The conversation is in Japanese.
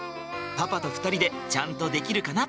パパと２人でちゃんとできるかな？